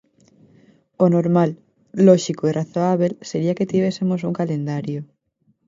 O normal, lóxico e razoábel sería que tivésemos un calendario.